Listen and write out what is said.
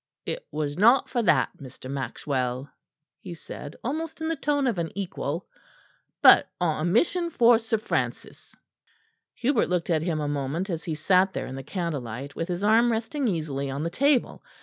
"It was not for that, Mr. Maxwell," he said almost in the tone of an equal, "but on a mission for Sir Francis." Hubert looked at him a moment as he sat there in the candlelight, with his arm resting easily on the table.